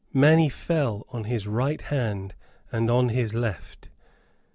Many fell on his right hand and on his left.